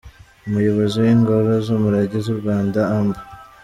Umuyobozi w’Ingoro z’umurage z’u Rwanda, Amb.